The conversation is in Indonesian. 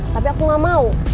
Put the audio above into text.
tapi aku gak mau